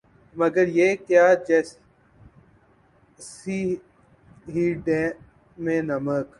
مگر یہ کیا جیس ہی ڈے میں نمک